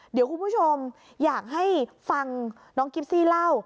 เดี๋ยวคุณผู้ชมอยากให้ฟังน้องกิฟซี่เล่า